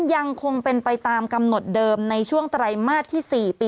ยังคงเป็นไปตามกำหนดเดิมในช่วงไตรมาสที่๔ปี